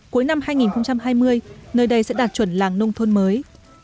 cuối năm hai nghìn hai mươi nơi đây sẽ đạt chuẩn làng nông thôn mới